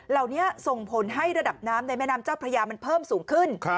เหล่านี้ส่งผลให้ระดับน้ำในแม่น้ำเจ้าพระยามันเพิ่มสูงขึ้น